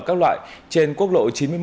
các loại trên quốc lộ chín mươi một